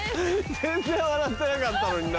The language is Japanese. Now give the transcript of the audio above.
全然笑ってなかったのにな。